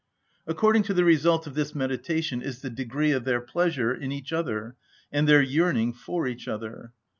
According to the result of this meditation is the degree of their pleasure in each other and their yearning for each other.